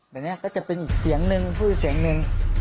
แบบนี้ก็จะเป็นอีกเสียงนึงพูดอีกเสียงหนึ่ง